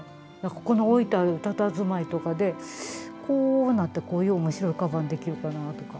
ここに置いてあるたたずまいとかで「こうなってこういう面白いかばんできるかな」とか。